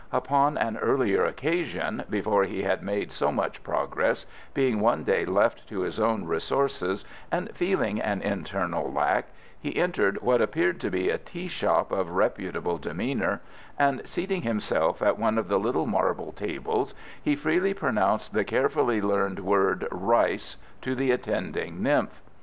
Upon an earlier occasion, before he had made so much progress, being one day left to his own resources, and feeling an internal lack, he entered what appeared to be a tea shop of reputable demeanour, and, seating himself at one of the little marble tables, he freely pronounced the carefully learned word "rice" to the attending nymph.